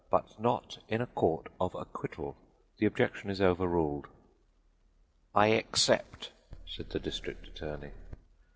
But not in a Court of Acquittal. The objection is overruled." "I except," said the district attorney.